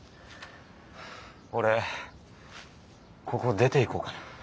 俺ここを出ていこうかな。